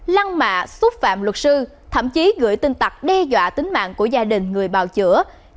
lăng mạ xúc phạm luật sư thậm chí gửi tin tặc đe dọa tính mạng của gia đình người bào chữa